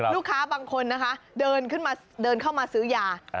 ลูกค้าบางคนนะคะเดินเข้ามาซื้อยา